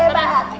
hebat rena hebat